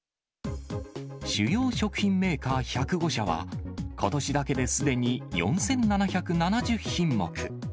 主要食品メーカー１０５社は、ことしだけですでに４７７０品目。